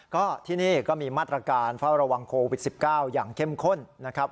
ก็ที่นี่ก็มีมาตรการเฝ้าระวังโควิด๑๙อย่างเข้มข้นนะครับ